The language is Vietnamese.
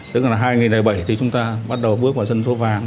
tức là hai nghìn một mươi bảy thì chúng ta bắt đầu bước vào dân số vàng